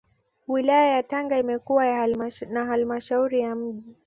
Wilaya ya Tanga imekuwa na Halmashauri ya Mji